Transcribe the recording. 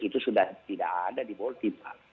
itu sudah tidak ada di boltimat